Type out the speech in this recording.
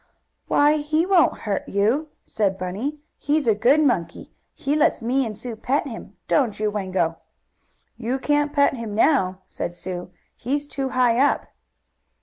"Why, he won't hurt you," said Bunny. "He's a good monkey. He lets me and Sue pet him; don't you, Wango?" "You can't pet him now," said Sue, "he's too high up."